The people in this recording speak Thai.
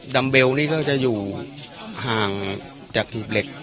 ัมเบลนี่ก็จะอยู่ห่างจากหีบเหล็ก